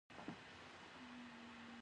د افغانستان عسکر وطن ساتي